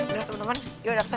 udah temen temen yuk daftar